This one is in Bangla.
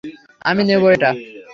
আমি নেবো এটা।